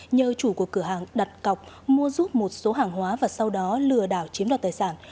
nhờ chủ của cửa hàng đặt cọc mua giúp một số hàng hóa và sau đó lừa đảo chiếm đoạt tài sản